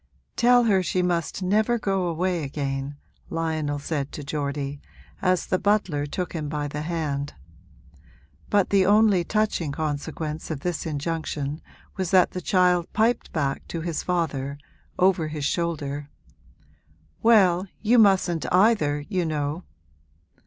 'Tell her she must never go away again,' Lionel said to Geordie, as the butler took him by the hand; but the only touching consequence of this injunction was that the child piped back to his father, over his shoulder, 'Well, you mustn't either, you know!'